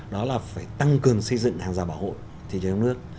đó là phải tăng cường xây dựng hàng rào bảo hội thị trường nước